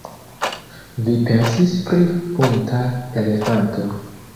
Vi pensis pri bunta elefanto!